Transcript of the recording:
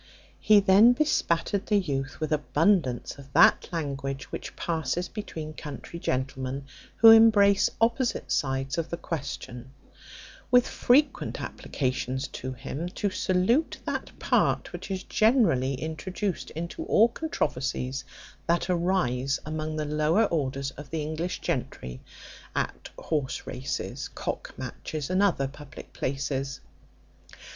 He then bespattered the youth with abundance of that language which passes between country gentlemen who embrace opposite sides of the question; with frequent applications to him to salute that part which is generally introduced into all controversies that arise among the lower orders of the English gentry at horse races, cock matches, and other public places.